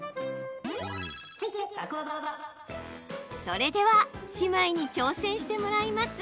それでは姉妹に挑戦してもらいます。